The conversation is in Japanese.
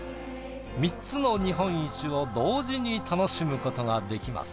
３つの日本一を同時に楽しむことができます。